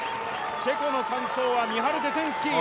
チェコの３走はミハル・デセンスキー。